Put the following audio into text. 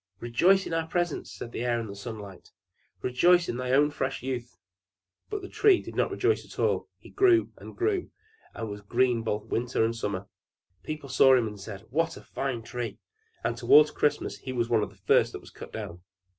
"Rejoice in our presence!" said the Air and the Sunlight. "Rejoice in thy own fresh youth!" But the Tree did not rejoice at all; he grew and grew, and was green both winter and summer. People that saw him said, "What a fine tree!" and towards Christmas he was one of the first that was cut down.